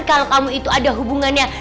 kalau kamu itu ada hubungannya